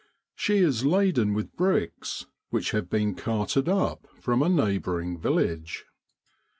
She is laden with bricks, which have been carted up from a neighbouring village.